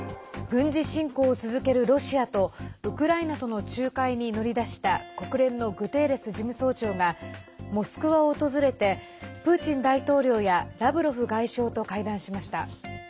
軍事侵攻を続けるロシアとウクライナとの仲介に乗り出した国連のグテーレス事務総長がモスクワを訪れてプーチン大統領やラブロフ外相と会談しました。